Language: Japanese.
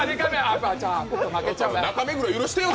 中目黒、許してよ。